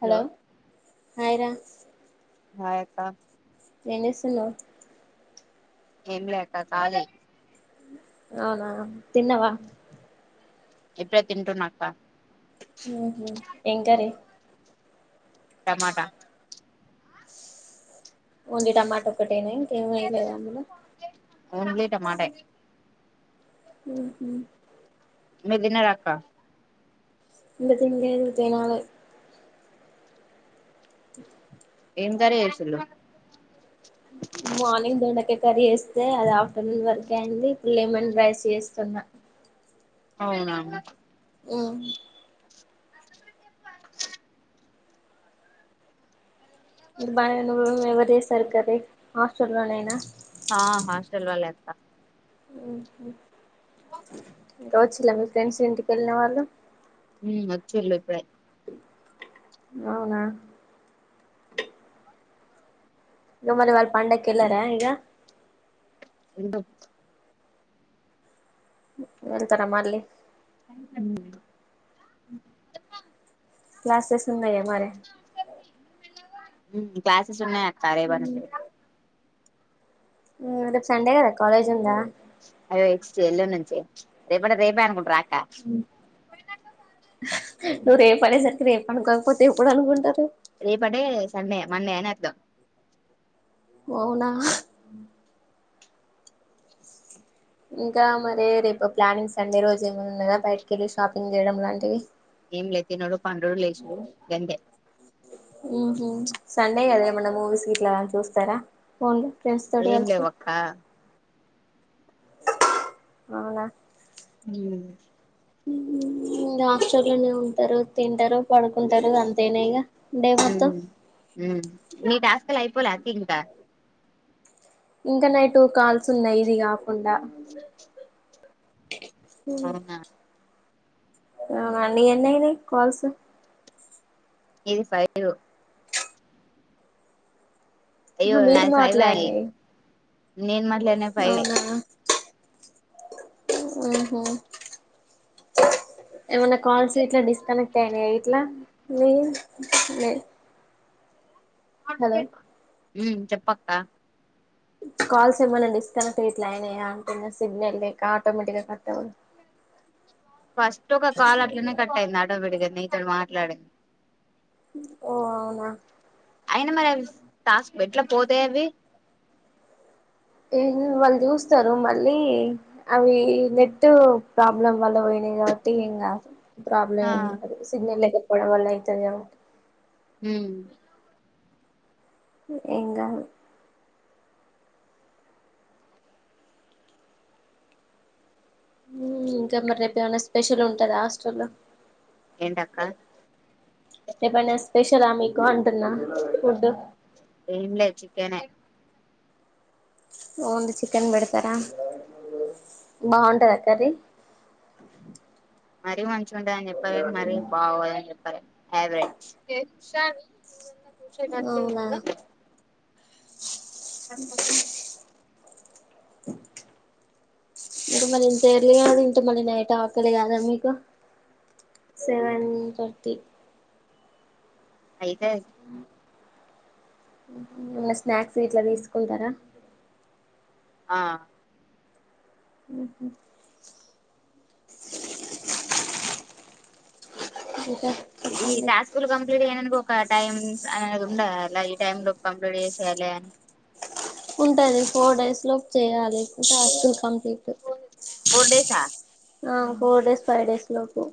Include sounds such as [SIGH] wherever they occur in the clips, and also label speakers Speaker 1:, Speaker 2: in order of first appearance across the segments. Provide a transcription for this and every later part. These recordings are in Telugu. Speaker 1: హలో ఆయరా
Speaker 2: ఆక్క
Speaker 1: ఎడిస్తున్నా
Speaker 2: ఎంలేక్క కాద
Speaker 1: అవునా తిన్నవా
Speaker 2: ఎప్పుడ తింటన్నాక్క
Speaker 1: ఎంకాారే
Speaker 2: టమాటా
Speaker 1: ఉందిడి టమాటో ఒకటేనే ఏమయలేదు అందులో
Speaker 2: ఉట మాటే
Speaker 1: అ
Speaker 2: మదినా రాక
Speaker 1: ఇతింట ఇవతేనాాలుగు
Speaker 2: ఏం కసలు
Speaker 1: మార్నింగ్ దొండక కర్రీ వేస్తే అది ఆఫ్టర్నూన్ వరకు అయింది ఇప్పుడు లెమన్ రైస్ చేస్తున్నా
Speaker 2: అవునా
Speaker 1: ఆ నిర్బాణ ఎవ అదే సరికదే హాస్టల్లోనైనా
Speaker 2: ఆ హాస్టల్ లో లేత
Speaker 1: హ్మ్ హు స వచ్చిలా మీ ఫ్రెండ్స్ ఇంటికి వెళ్ళిన వాళ్ళు
Speaker 2: హ్మ్ వచిల్లుఇప్పుడే
Speaker 1: అవునా మిమ్మలిని వాళ్ళ పండక్కి వెళ్ళరా ఇగ
Speaker 2: ఎంట
Speaker 1: వెళ్తారా మళ్ళీ లాస్ేస్తు ఉన్నా మరి
Speaker 2: కాస సన్న సరే బంత
Speaker 1: రదేపు సండే గ అదా కాలేజ్ ఉంద
Speaker 2: అయ్యో ఎ ఎల్లుూరు నుంచిే రేపటే రేపే అనుకుంట
Speaker 1: నువ్వు రేపు అనేసరికి రేపు అనుకోకపోతే ఎప్పుడు అనుకుంటారు
Speaker 2: రేప అంటే సండే మండే అని అర్దుం
Speaker 1: ఓ అవునా ఇంకా మరే రేపు ప్లానింగ్ సండే రోజు ఏమైనా ఉన్నాదా బయటకెళ్ళి షాపింగ్ చేయడం లాంటివి
Speaker 2: ఏం లే తినుడు పండుడు లేసుడు గంతే
Speaker 1: ఉహు సండే కదా ఏమన్నా మూవీస్ గిట్లా చూస్తారా [UNINTELLIGIBLE] ఫ్రెండ్స్ తోటి
Speaker 2: ఏం
Speaker 1: కలిసి
Speaker 2: లేవు అక్క
Speaker 1: అవునా
Speaker 2: హ్మ్
Speaker 1: హాస్టల్లోనే ఉంటారు తింటారు పడుకుంటారు అంతేనే ఇగ డే
Speaker 2: హ్మ్
Speaker 1: మొత్తం
Speaker 2: హ్మ్ ని టాస్క్ అయిపోలే [UNINTELLIGIBLE]
Speaker 1: ఇంకా నై టూ కాల్స్ ఉన్నాయి ఇదిగా ఉందా హ్మ్
Speaker 2: అవునా
Speaker 1: అన్ని ఎన్ని అయినయ్ కాల్స్
Speaker 2: ఇది ఫైవ్
Speaker 1: మీరు మాట్లాడానియ్
Speaker 2: నేన్ మ
Speaker 1: అవునా ఉహ్ హా ఏమైన్నా కాల్స్ గిట్లా డిస్కనెక్ట్ అయినాయాయ్. ట్లా ఏం లేద్ హలో
Speaker 2: హ్మ్మ్ చెప్పక్క
Speaker 1: కాల్స్ ఏమన్నా డిస్కనెక్ట్ గిట్ల అయినయా అంటున్న. సిగ్నల్ లేక ఆటోమేటిక్గా కట్ అవ్
Speaker 2: ఫస్ట్ ఒక కాలు అట్లనే కట్టయింది. ఆటోమేటిక్గానే తోట్ మాట్లాడే
Speaker 1: ఓ అవునా
Speaker 2: అయినా మరి అవి టాస్క్ పెట్లా పోతాయి అవి
Speaker 1: ఏ హే వాళ్ళు చూస్తారు. మళ్ళీ అవి నెట్టు ప్రాబ్లం వల్ల పోయినాయి కాబట్టి ఏం గాదు. ప్రాబ్లమ్
Speaker 2: ఆ
Speaker 1: ఏందో మరి సిగ్నలేకపోవ్ గొడవలు అయితేదేమో
Speaker 2: మ్మ్
Speaker 1: ఎంగదు ఇంకా మరి రేపు ఏమైనా స్పెషల్ ఉంటది హాస్టల్ లో
Speaker 2: ఏంటక్క
Speaker 1: రెప్పనా స్పెషల్ ఆ మీకు ఆమ్ అంటున్నా. ఫుడు
Speaker 2: టెనె
Speaker 1: వొంది చికెన్ పెడతారా. బాగుంటదా కర్రీ
Speaker 2: మరీ మంచిగా ఉంటదాని చెప్పాలేన్ మరీ బాగుని చెప్ప యావరేజ్ చూషె గడ్జయి
Speaker 1: అవునా
Speaker 2: గదా మంచి ప్రశ్ననే అడిగిళ్లు
Speaker 1: ఇపుడు మళ్ళీ ఇంత ఎర్లీగ తింటె, మళ్ళీ నైట్ ఆకలి గాద మీకు? సెవెన్ థర్టీ
Speaker 2: అయితాయితి
Speaker 1: ఏమన్న స్నాక్స్ గిట్ల తీస్కుంటర?
Speaker 2: ఆ
Speaker 1: ఉ హు ఇంక
Speaker 2: ఈ టాస్కులు కంప్లీట్ గైనంకొక. టైమ్ అనేది ఉండద? అలా ఈ టైం లోపు కంప్లీట్ చేసేయాలే అని?
Speaker 1: ఉంటది. ఫోర్ డేస్ లోపు చెయ్యాలి ఇంక ఇన్కమ్
Speaker 2: ఫోర్డేసా?
Speaker 1: ఆ. ఫోర్ డేస్, ఫైవ్ డేస్ లోపు.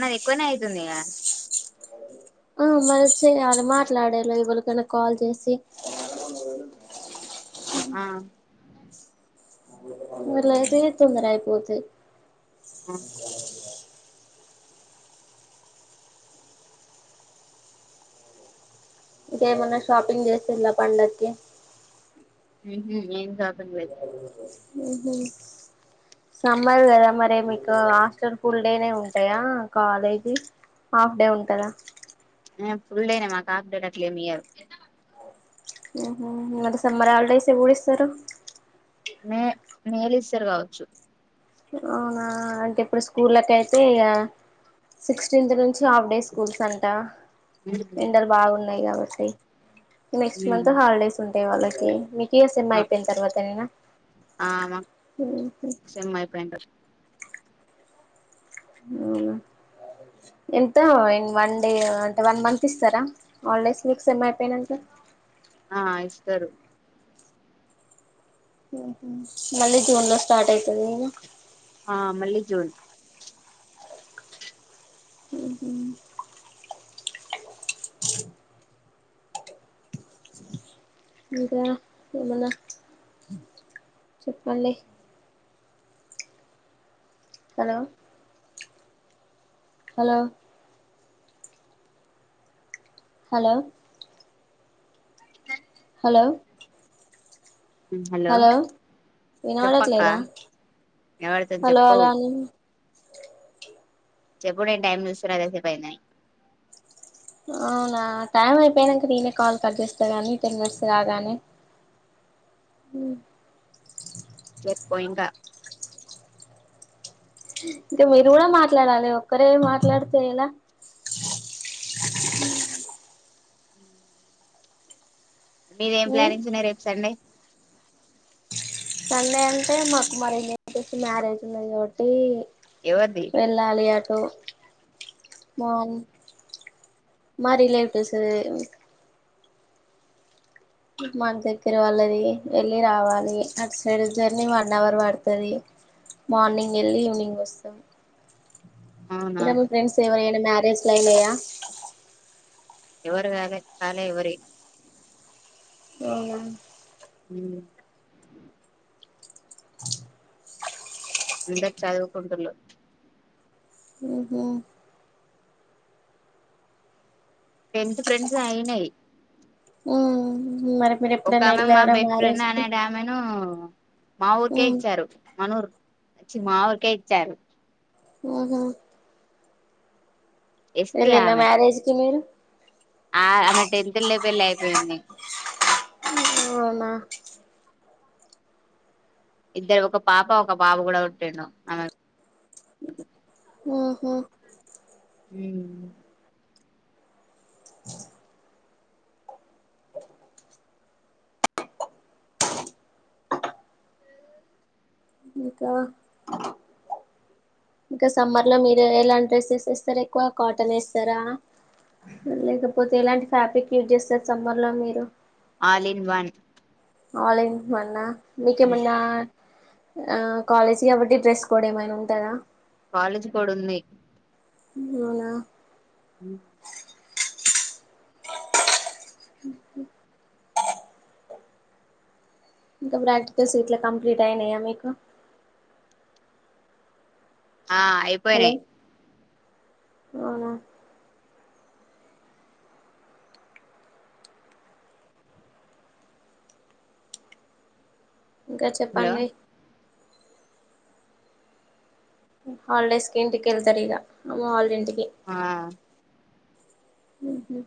Speaker 2: నాద్ ఎక్కువనే ఐతుంది గ
Speaker 1: ఆ మరి చెయ్యాలె, మాట్లాడాలే ఎవలికన్నా కాల్ చేసి.
Speaker 2: ఆ
Speaker 1: అట్లయితే తొందరగా అయిపోతది
Speaker 2: ఆ
Speaker 1: ఇంకా ఏమన్నా షాపింగ్ చేస్తుర పండగకి
Speaker 2: హ్మ్ హు ఏం కాదండలే
Speaker 1: హ్మ్ హు సమ్మర్ కదా మరి మీకు హాస్టల్ ఫుల్ డేనే ఉంటాయా కాలేజీ హాఫ్ డే ఉంటదా
Speaker 2: ఫుల్ డేనే మాకు హాఫ్ డే గట్ల ఏం ఇయ్యారు
Speaker 1: హెన్ హు ఈ మధ్య సమ్మర్ హాలిడేస్ ఎప్పుడూ ఇస్తారు
Speaker 2: మే మేలో ఇస్తారు కావచ్చు
Speaker 1: అవునా అంటే ఇప్పుడు స్కూళ్లకైతే ఇయా సిక్టీంత్ నుం చి హాఫ్ డే స్కూల్స్ అంట ఎండలు బాగున్ న్నాయ్ కాబట్టి నెక్స్ట్ మంత్ హాలిడేస్ ఉం ఎ వాళ్ళకి కియో సిన్మా అయిపోయిన్ తర్వాత నేనా
Speaker 2: ఆ మా సేమ్ అయిపోయిందా
Speaker 1: ఎంత వన్ డే అంటే వన్ మంత్ ఇస్తారా హాలిడేస్ మీకు సేమ్ అయిపోయి నంక
Speaker 2: ఆ ఇస్తారు
Speaker 1: మళ్ళీ జూన్ లో స్టార్ట్ అయితది
Speaker 2: ఆ మల్లి జూన్
Speaker 1: హ్మ్ హు ఇంకా ఏమన్నా చెప్పండి hello hello hello hello hello వినపడట్ల
Speaker 2: చెప్పక్క
Speaker 1: లేదా
Speaker 2: ఎవరితోని
Speaker 1: హలో
Speaker 2: చెప్పు
Speaker 1: హలో అని
Speaker 2: చెప్పు నేను టైం చూస్తున్న ఇంతసేపు అయింద్ అని
Speaker 1: అవునా టైం అయిపోయానాక నేనే కాల్ కట్ చేస్తా కానీ టెన్ మినిట్స్ కాగానే
Speaker 2: చెప్పు ఇంక
Speaker 1: ఇంకా మీరు కూడా మాట్లాడాలి ఒక్కరే మాట్లాడితే ఎలా
Speaker 2: మీరేం ప్లానింగ్స్ ఉన్నాయి రేప్ సండే
Speaker 1: సండే అంటే మాకు మరి ఇన్ని మ్యారేజ్ ఉన్నది కాబట్టి
Speaker 2: ఎవరిది
Speaker 1: వెళ్ళాలి అట్ ఒ మార్న్ మా రిలేటివ్స్ ది మా దగ్గర వాళ్ళది వెళ్ళి రావాలి అటు సైడ్ జర్నీ వన్ అవర్ వడ్తాది మార్నింగ్ వెళ్ళి ఈవినింగ్ ఒస్తాం
Speaker 2: అవునా
Speaker 1: ఇక మీ ఫ్రెండ్స్ ఎవరైనా మ్యారేజ్ లు అయినయా
Speaker 2: ఎవరివి కాలే కాలే ఎవరివి
Speaker 1: ఒహో
Speaker 2: ఉం అందరు చదువుకుంటున్నారు
Speaker 1: ఉహుమ్
Speaker 2: టెన్త్ ఫ్రెండ్స్ అయినయి
Speaker 1: ఉమ్ మరి మీరు
Speaker 2: ఒక
Speaker 1: ఎప్పుడైనా
Speaker 2: ఆమె మా
Speaker 1: వెళ్ళారా
Speaker 2: బెస్ట్
Speaker 1: మ్యారేజ్
Speaker 2: ఫ్రెండ్
Speaker 1: కి
Speaker 2: అనేడ్ ఆమెను మా ఊరికే
Speaker 1: ఉమ్
Speaker 2: ఇచ్చారు మనూర్ అచ్చి మా ఊరికే ఇచ్చారు
Speaker 1: ఆహా
Speaker 2: ఎస్టీ
Speaker 1: ఎల్లిళ్ల
Speaker 2: ఆమె
Speaker 1: మ్యారేజ్ కి మీరు
Speaker 2: ఆ ఆమె టెన్త్ లే పెళ్లి అయిపోయింది
Speaker 1: అవునా
Speaker 2: ఇద్దరు ఒక పాప ఒక బాబు కూడా పుట్టిండు ఆమెకు
Speaker 1: ఆహా
Speaker 2: హు
Speaker 1: ఆ ఇంకా ఇంకా సమ్మర్ లో మీరు ఎలాంట్ డ్రెస్సెస్ వేస్తారా ఎక్కువ కాటన్ వేస్తారా. లేకపోతే ఎలాంటి ఫ్యాబ్రిక్ యూజ్ చేస్తార్ సమ్మర్ లో మీరు.
Speaker 2: ఆలీన్ వన్
Speaker 1: ఆలీన్ వన్నా మీకేమన్నా ఆ కాలేజీ కాబట్టి డ్రెస్ కోడ్ ఏమైనా ఉంటదా
Speaker 2: కాలేజీ కోడ్ ఉంది
Speaker 1: అవునా
Speaker 2: ఊ
Speaker 1: ఇంకా ప్రాక్టికల్స్ ఇట్లా కంప్లీట్ అయినాయా మీకు
Speaker 2: ఆ
Speaker 1: హలో
Speaker 2: అయిపోయినాయి
Speaker 1: అవునా ఇంకా
Speaker 2: హలో
Speaker 1: చెప్పండి హాలిడేస్ క ఇంటికి వెళ్తారు ఇగ అమ్మ వాళ్ళ ఇంటి కి
Speaker 2: ఆ
Speaker 1: ఉహు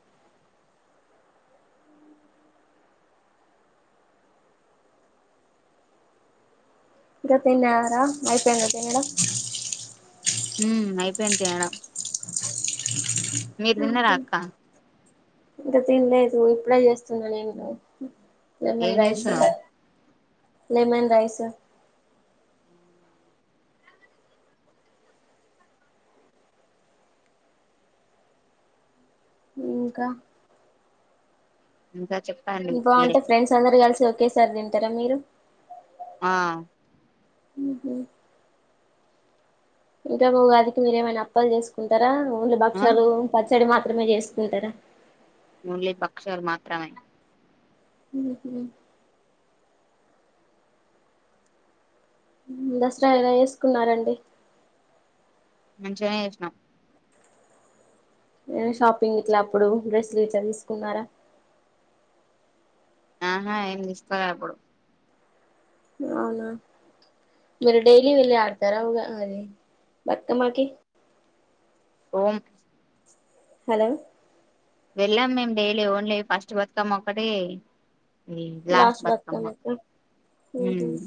Speaker 1: ఇంకా తిన్నారా అయిపోయిందా తినడం
Speaker 2: హు అయిపోయిది తినడం మీరు తిన్నరా అక్క
Speaker 1: ఇంకా తినలేదు ఇప్పుడే చేస్తున్నా నేను
Speaker 2: ఏం
Speaker 1: లెమన్ రైస్
Speaker 2: చేస్తున్నావు
Speaker 1: లెమన్ రైస్ ఇంకా
Speaker 2: ఇంకా చెప్పండి మీరే
Speaker 1: బావుంటే ఫ్రెండ్స్ అందరు కలిసి ఓకె సారి తింటారా మీరు
Speaker 2: ఆ
Speaker 1: ఉహు ఇంకా ఉగాదికి మీరు ఏమైనా అప్పాలు చేసుకుంటారా ఓన్లీ
Speaker 2: ఆ
Speaker 1: బక్షాలు పచ్ తడి మాత్రమే చేస్తుకుంటారా
Speaker 2: ఓన్లీ భక్షలు మాత్రమే
Speaker 1: ఎందుకు లె దసరా అయినా ఎసుకున్నారండి
Speaker 2: మంచిగానే జెసినం
Speaker 1: నేను షాపింగ్ ఇట్లా అప్పుడు డ్రెస్సులు ఇట్లా తీసుకున్నారా
Speaker 2: ఆహా ఏం తీసుకోలే అప్పుడు
Speaker 1: అవునా మీరు డైలీ వెళ్ళి ఆడతారా ఉగా అది బతుకమ్మ కి
Speaker 2: ఉగా
Speaker 1: హలో
Speaker 2: వెళ్ళాం మేము డైలీ ఓన్లీ ఫస్ట్ బతుకమ్మ ఒక్కటి
Speaker 1: లాస్ట్ బతుకమ్మ గా ఉమ్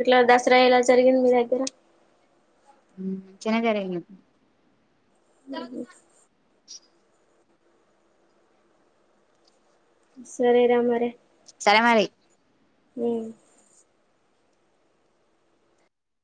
Speaker 1: ఇట్ల దసరా ఎలా జరిగింది మీ దగ్గర
Speaker 2: ఉమ్ మంచిగానే జరిగినాయి
Speaker 1: సరే రా మరి
Speaker 2: సరే మరి
Speaker 1: ఉమ్